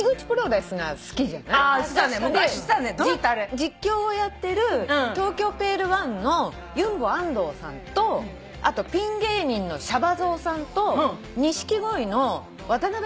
実況をやってる東京ペールワンのユンボ安藤さんとあとピン芸人のしゃばぞうさんと錦鯉の渡辺隆さん。